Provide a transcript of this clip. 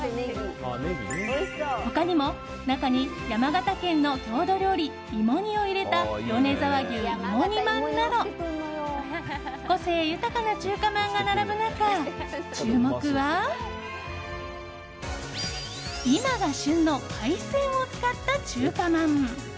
他にも、中に山形県の郷土料理いも煮を入れた米沢牛いも煮まんなど個性豊かな中華まんが並ぶ中注目は、今が旬の海鮮を使った中華まん。